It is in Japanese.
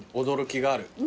驚きがある